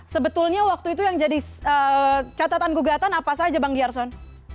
soalnya waktu itu yang jadi catatan gugatan apa saja bang d'arson